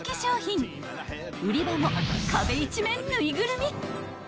［売り場も壁一面ぬいぐるみ］